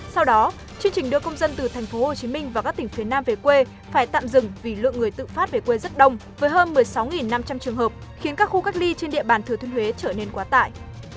sau đó chương trình đưa công dân từ tp hcm và các tỉnh phía nam về quê phải tạm dừng vì lượng người tự phát về quê rất đông với hơn một mươi sáu năm trăm linh trường hợp khiến các khu cách ly trên địa bàn thừa thuyên huế trở nên quá tải